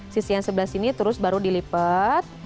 sisi yang sebelah sini terus baru dilipat